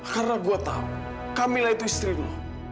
karena gue tahu kamilah itu istri lo